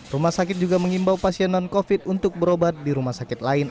rumah sakit juga mengimbau pasien non covid untuk berobat di rumah sakit lain